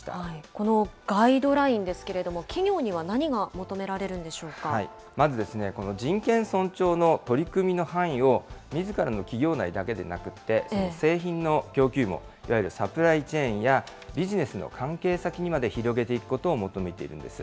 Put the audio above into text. このガイドラインですけれども、企業には何が求められるんでまずですね、この人権尊重の取り組みの範囲をみずからの企業内だけでなくて、製品の供給網、いわゆるサプライチェーンや、ビジネスの関係先にまで広げていくことを求めているんです。